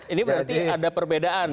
ini berarti ada perbedaan